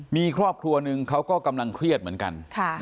มีครอบครัวหนึ่งเขาก็กำลังเครียดเหมือนกัน